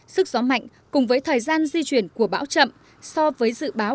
sức gió mạnh cùng với thời gian di chuyển của bão chậm so với dự báo